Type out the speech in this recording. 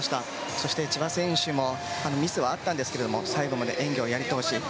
そして、千葉選手もミスはあったんですが最後まで演技をやり通した。